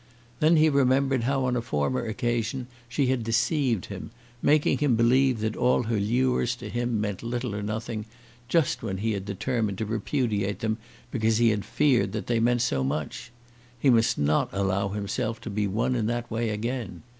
Then he remembered how on a former occasion she had deceived him, making him believe that all her lures to him meant little or nothing just when he had determined to repudiate them because he had feared that they meant so much. He must not allow himself to be won in that way again.